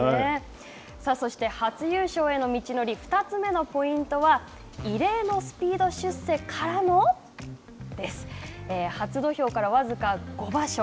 さあ、そして初優勝への道のり２つ目のポイントは異例のスピード出世からの初土俵から僅か五場所